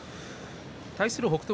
対する北勝